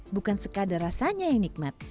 bukan sekadar rasanya yang nikmat